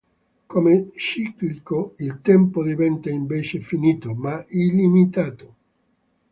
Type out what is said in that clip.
Come ciclico il tempo diventa invece finito, ma illimitato.